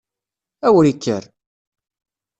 A wer ikker!